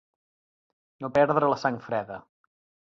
No perdre la sang freda.